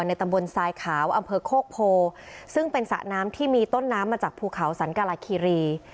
ตำบลทรายขาวอำเภอโคกโพซึ่งเป็นสระน้ำที่มีต้นน้ำมาจากภูเขาสันกราคีรี